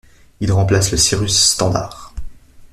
Il remplace le Cirrus Standard.